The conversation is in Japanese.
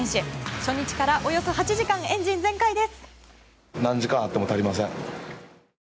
初日からおよそ８時間エンジン全開です。